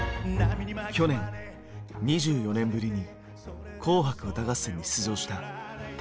去年２４年ぶりに「紅白歌合戦」に出場した玉置浩二。